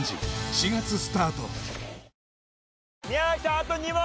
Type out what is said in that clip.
あと２問！